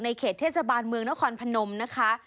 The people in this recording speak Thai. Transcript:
เขตเทศบาลเมืองนครพนมนะคะ